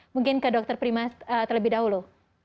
mungkin ke dr prima terlebih dahulu